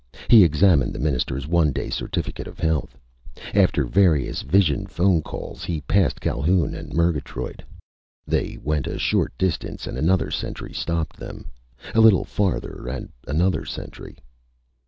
He examined the Minister's one day certificate of health. After various vision phone calls, he passed Calhoun and Murgatroyd. They went a short distance and another sentry stopped them. A little farther, and another sentry.